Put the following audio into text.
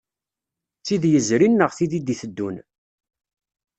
D tid yezrin neɣ tid i d-iteddun.